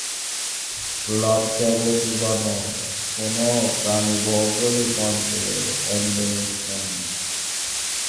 লজ্জাবতী বানর কোন প্রাণিভৌগোলিক অঞ্চলের এন্ডেমিক প্রাণী?